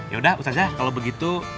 yaudah ustadz ya kalau begitu